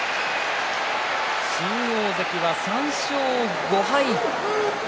新大関は３勝５敗。